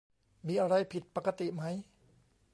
มีอะไรผิดปกติไหม